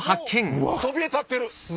もうそびえ立ってる！